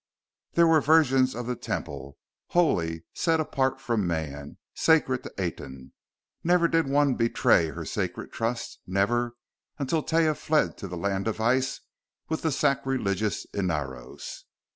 "There were virgins of the Temple, holy, set apart from man, sacred to Aten. Never did one betray her sacred trust never, until Taia fled to the land of ice with the sacrilegious Inaros.